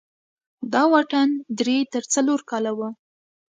دا واټن درې تر څلور کاله و.